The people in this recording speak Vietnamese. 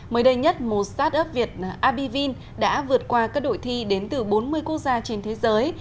mới đây nhất một start up việt abivin đã vượt qua các đội thi đến từ bốn mươi quốc gia trên thế giới